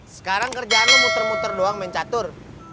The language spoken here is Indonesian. sekarang kerjaan lo muter muter doang main catur